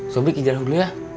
sobri kijaluh dulu ya